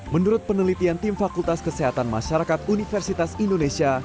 menurut penelitian tim fakultas kesehatan masyarakat universitas indonesia